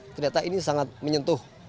ternyata ini sangat menyentuh